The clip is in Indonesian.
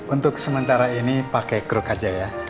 untuk sementara ini pakai kruk aja ya